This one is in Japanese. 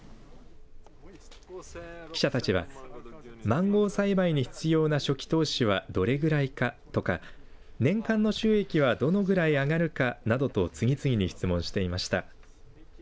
記者たちはマンゴー栽培に必要な初期投資はどれぐらいかとか年間の収益はどのくらい上がるかなどと次々に質問していました。